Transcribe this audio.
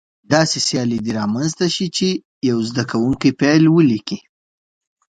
داسې سیالي دې رامنځته شي چې یو زده کوونکی فعل ولیکي.